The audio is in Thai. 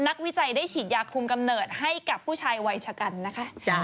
วิจัยได้ฉีดยาคุมกำเนิดให้กับผู้ชายวัยชะกันนะคะ